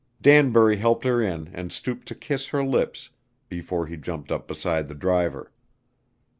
Danbury helped her in and stooped to kiss her lips before he jumped up beside the driver.